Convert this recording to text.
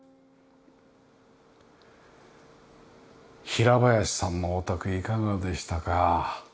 平林さんのお宅いかがでしたか？